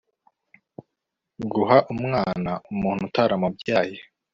guha umwana umuntu utaramubyaye